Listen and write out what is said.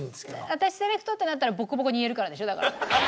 私セレクトってなったらボッコボコに言えるからでしょだから。